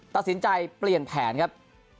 ตัดสินใจเปลี่ยนแผนครับ